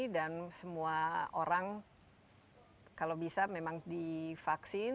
dan semua orang kalau bisa memang divaksin